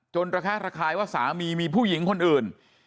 ระแคะระคายว่าสามีมีผู้หญิงคนอื่น